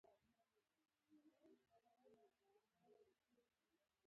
الله د ظلم په زړونو بدلې راولي.